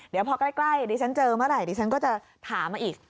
เดี๋ยวพอใกล้ดิฉันเจอเมื่อไหร่ดิฉันก็จะถามมาอีก